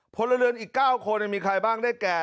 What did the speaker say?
พลเวลอีก๙คนยังมีใครบ้างได้แก่